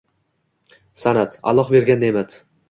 San’at — Alloh bergan ne’mat.